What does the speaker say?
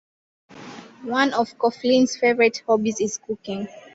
One of Coughlin's favorite hobbies is cooking.